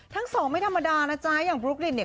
ทั้งสองไม่ธรรมดานะจ๊ะอย่างบลุ๊กลินเนี่ย